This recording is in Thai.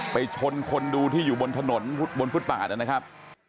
ไปชนคนดูที่อยู่บนถนนบนพุฒิปัจเนี่ยนะครับ